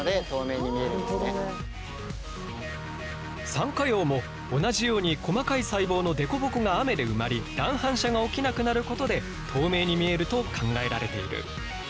サンカヨウも同じように細かい細胞の凸凹が雨で埋まり乱反射が起きなくなることで透明に見えると考えられている。